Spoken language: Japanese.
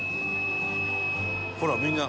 「ほらみんな」